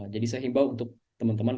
jadi saya himbau untuk teman teman